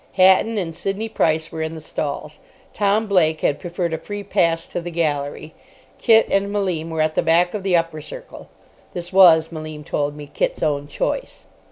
Hatton and Sidney Price were in the stalls. Tom Blake had preferred a free pass to the gallery. Kit and Malim were at the back of the upper circle (this was, Malim told me, Kit's own choice).